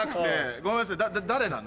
ごめんなさい誰なの？